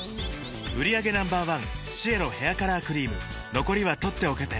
売上№１シエロヘアカラークリーム残りは取っておけて